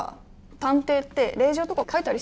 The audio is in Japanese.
探偵って令状とか書いたりしないの？